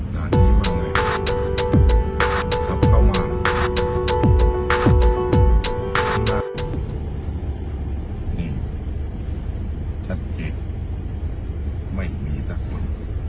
ด้านนี้มันไงขับเข้ามาข้างหน้านี่ชัดเก็บไม่มีแต่คุณ